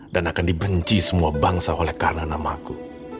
dan akan dibenci semua bangsa oleh karna namaku